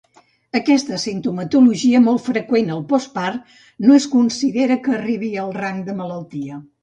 Aquesta simptomatologia, molt freqüent al postpart, no es considera que arribi al rang de malaltia.